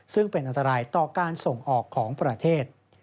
ซึ่งเป็นอันตรายต่อการส่งออกของประเทศ